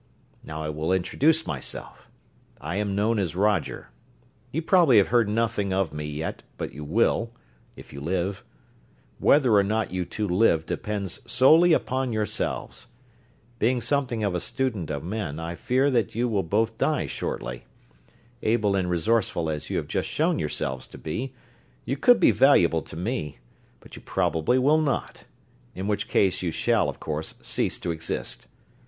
Now I will introduce myself. I am known as Roger. You probably have heard nothing of me yet but you will if you live. Whether or not you two live depends solely upon yourselves. Being something of a student of men, I fear that you will both die shortly. Able and resourceful as you have just shown yourselves to be, you could be valuable to me, but you probably will not in which case you shall, of course, cease to exist.